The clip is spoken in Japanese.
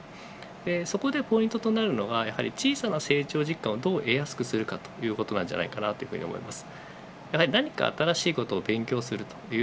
そこでポイントとなるのが小さな成長実感をどう得やすくするかということなんじゃないトヨタイムズの富川悠太です